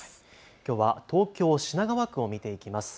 きょうは東京品川区を見ていきます。